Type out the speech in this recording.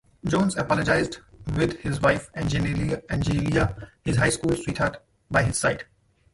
Jones apologized with his wife Angela, his high school sweetheart, by his side.